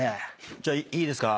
じゃあいいですか？